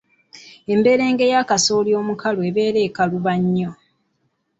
Emberenge ye kasooli omukalu ebeera ekaluba nnyo.